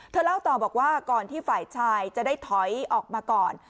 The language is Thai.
เล่าต่อบอกว่าก่อนที่ฝ่ายชายจะได้ถอยออกมาก่อน